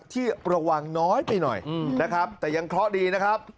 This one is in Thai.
ที่ระวังน้อยไปหน่อยนะครับแต่ยังเคราะห์ดีนะครับ